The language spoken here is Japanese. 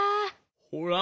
ほら。